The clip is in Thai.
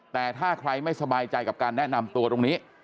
แต่ถ้าใครไม่สบายใจกับการแนะนำตัวตรงนี้